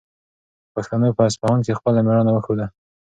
پښتنو په اصفهان کې خپله مېړانه وښوده.